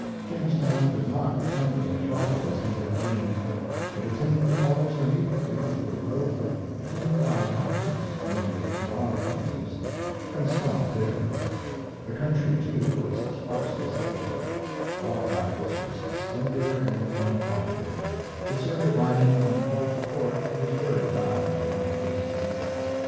Jamestown did not become the metropolis he had dreamed. It attained almost immediately to a growth of twenty five houses mainly log houses and stopped there. The country, too, was sparsely settled; law practice was slender and unprofitable, the circuit riding from court to court was very bad for one of his physique.